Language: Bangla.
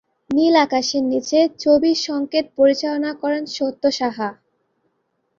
নীল আকাশের নিচে ছবির সংগীত পরিচালনা করেন সত্য সাহা।